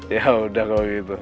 yaudah kalau gitu